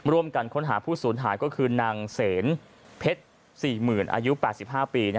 ร่วมกันค้นหาผู้สูญหายก็คือนางเสนเพชร๔๐๐๐อายุ๘๕ปี